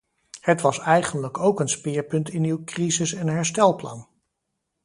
Het was eigenlijk ook een speerpunt in uw crisis- en herstelplan.